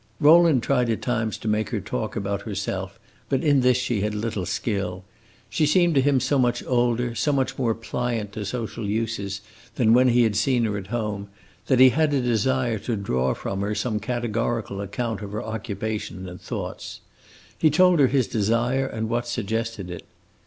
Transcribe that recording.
Rowland tried at times to make her talk about herself, but in this she had little skill. She seemed to him so much older, so much more pliant to social uses than when he had seen her at home, that he had a desire to draw from her some categorical account of her occupation and thoughts. He told her his desire and what suggested it.